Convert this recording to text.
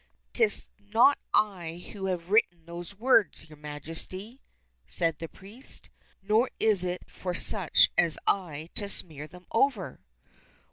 —" 'Tis not I who have written those words, your Majesty," said the priest ;" nor is it for such as I to smear them over."